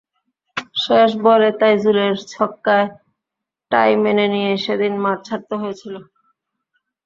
শেষ বলে তাইজুলের ছক্কায় টাই মেনে নিয়ে সেদিন মাঠ ছাড়তে হয়েছিল।